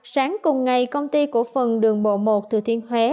sáng cùng ngày công ty cổ phần đường bộ một thừa thiên huế